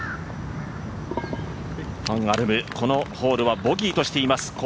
ファン・アルム、このホールはボギーとしています。